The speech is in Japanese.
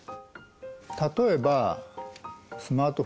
例えばスマートフォン。